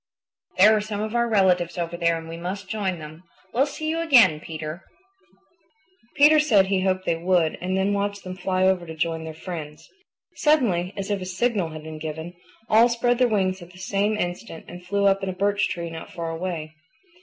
There are some of our relatives over there and we must join them. We'll see you again, Peter." Peter said he hoped they would and then watched them fly over to join their friends. Suddenly, as if a signal had been given, all spread their wings at the same instant and flew up in a birch tree not far away.